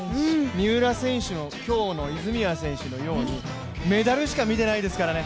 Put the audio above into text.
三浦選手も今日の泉谷選手のようにメダルしか見てないですからね。